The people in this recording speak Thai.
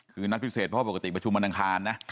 คือนัดพิเศษเพราะปกติประชุมวันอังคารนะ